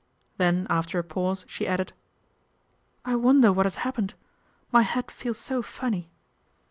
Then after a pause she added, " I wonder what has happened. My head feels so funny."